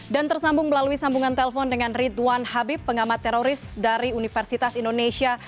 dan tersambung melalui sambungan telpon dengan ridwan habib pengamat teroris dari universitas indonesia